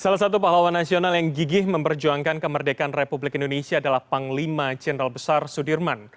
salah satu pahlawan nasional yang gigih memperjuangkan kemerdekaan republik indonesia adalah panglima jenderal besar sudirman